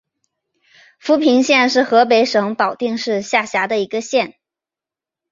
阜平县是河北省保定市下辖的一个县。